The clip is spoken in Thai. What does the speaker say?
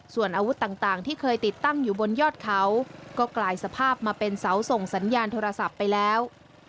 ส่วนอาวุธต่างที่เคยติดตั้งอยู่บนยอดเขาก็กลายสภาพมาเป็นเสาส่งสัญญาณโทรศัพท์ไปแล้ว